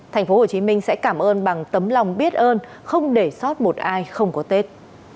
tp hcm sẽ cảm ơn bằng tấm lòng biết ơn không để sót một ai không có tết